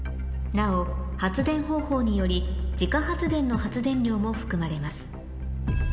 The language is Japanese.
なお発電方法により自家発電の発電量も含まれます